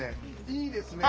「いいですね」。